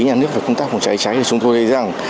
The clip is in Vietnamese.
nhà nước về công tác phòng cháy cháy thì chúng tôi thấy rằng